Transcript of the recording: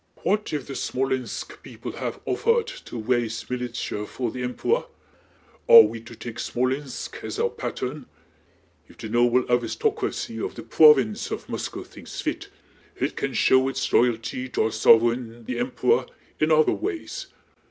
"What if the Smolénsk people have offahd to waise militia for the Empewah? Ah we to take Smolénsk as our patte'n? If the noble awistocwacy of the pwovince of Moscow thinks fit, it can show its loyalty to our sov'weign the Empewah in other ways.